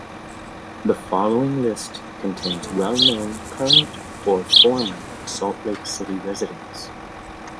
The following list contains well-known current or former Salt Lake City residents.